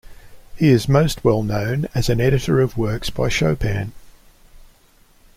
He is most well known as an editor of works by Chopin.